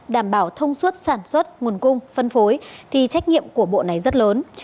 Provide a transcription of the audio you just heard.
đảm bảo thông suốt sản xuất nguồn cung phân phối thì trách nhiệm của bộ này rất lớn